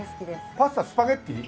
パスタスパゲティ？